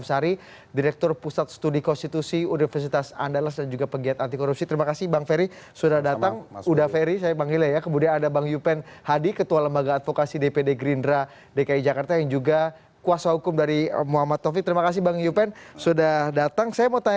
atasan dari undang undang